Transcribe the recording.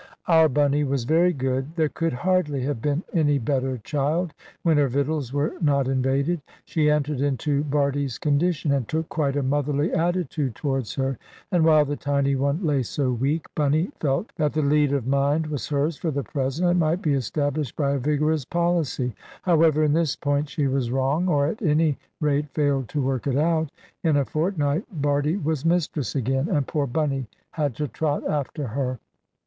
Our Bunny was very good. There could hardly have been any better child, when her victuals were not invaded. She entered into Bardie's condition, and took quite a motherly attitude towards her. And while the tiny one lay so weak, Bunny felt that the lead of mind was hers for the present, and might be established by a vigorous policy. However in this point she was wrong, or at any rate failed to work it out. In a fortnight Bardie was mistress again; and poor Bunny had to trot after her.